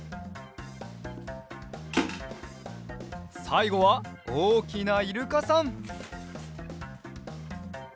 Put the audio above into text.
さいごはおおきなイルカさん。